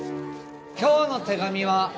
今日の手紙は